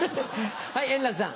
はい円楽さん。